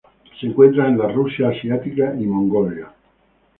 Se encuentra en la Rusia asiática y Mongolia.